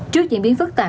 trước diễn biến phức tạp